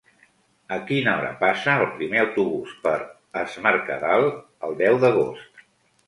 A quina hora passa el primer autobús per Es Mercadal el deu d'agost?